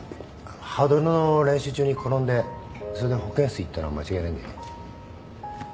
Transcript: ハードルの練習中に転んでそれで保健室行ったのは間違いないんだよね？